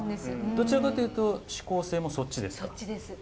どちらかというとしこう性もそっちですか？